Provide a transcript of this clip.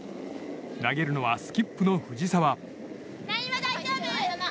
投げるのはスキップの藤澤。